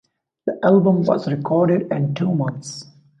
The album was recorded in two months.